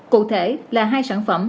cụ thể là hai sản phẩm